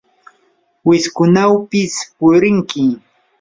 wiskunawpis purinki.